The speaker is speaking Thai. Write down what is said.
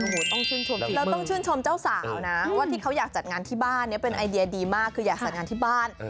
ว่าที่เขาอยากจัดงานที่บ้านเนี่ยเป็นไอเดียดีมากคืออยากจัดงานที่บ้าน